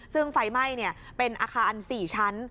ซึ่งไฟไหม้เป็นอาคาร๔ชั้น